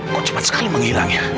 kok cepat sekali menghilang ya